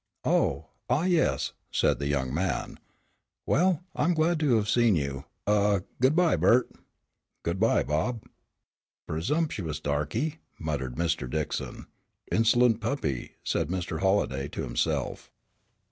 "Oh ah yes," said the young man, "well, I'm glad to have seen you. Ah good bye, Bert." "Good bye, Bob." "Presumptuous darky!" murmured Mr. Dickson. "Insolent puppy!" said Mr. Halliday to himself.